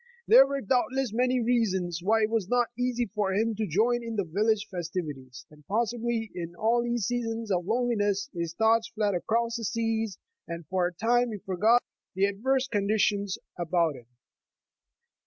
There were doubtless many reasons why it was not easy for him to join in the village festivities, and pos sibly in these seasons of loneliness, his thoughts fled across the seas, and for a time he forgot the adverse conditions about him.